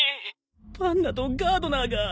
パンナとガードナーが。